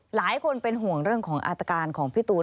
หลายคนเป็นห่วงเรื่องของอาตการของพี่ตูน